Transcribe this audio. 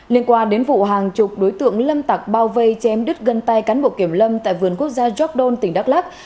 liên quan đến vụ hàng chục đối tượng lâm tặc bao vây chém đứt gân tay cán bộ kiểm lâm tại vườn quốc gia jogdon tỉnh đắk lắc